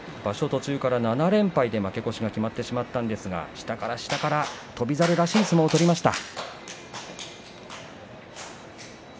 途中から７連敗で負け越しが決まってしまったんですが下から下から翔猿らしい相撲を取りました。